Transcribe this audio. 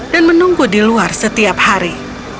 dan menunggu di luar setiap hari